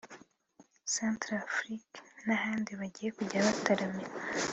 Centre Africa n’ahandi bagiye bajya gutaramira